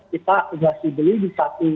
kita akumulasi beli di